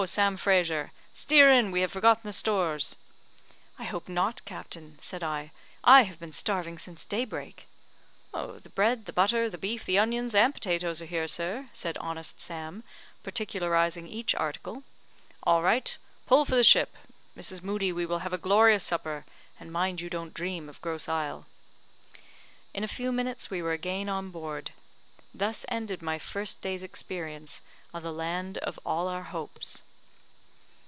Sam Frazer! steer in, we have forgotten the stores." "I hope not, captain," said I; "I have been starving since daybreak." "The bread, the butter, the beef, the onions, and potatoes are here, sir," said honest Sam, particularizing each article. "All right; pull for the ship. Mrs. Moodie, we will have a glorious supper, and mind you don't dream of Grosse Isle." In a few minutes we were again on board. Thus ended my first day's experience of the land of all our hopes.